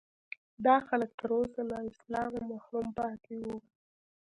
دا خلک تر اوسه له اسلامه محروم پاتې وو.